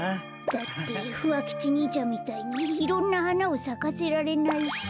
だってふわ吉にいちゃんみたいにいろんなはなをさかせられないし。